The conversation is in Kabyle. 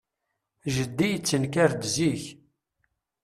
Jeddi yettenkar-d zik.